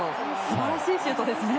素晴らしいシュートですね。